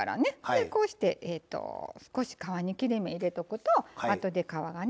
こうして少し皮に切り目入れとくとあとで皮がね